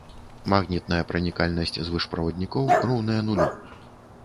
Магнітная пранікальнасць звышправаднікоў роўная нулю.